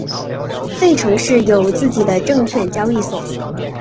费城市有自己的证券交易所。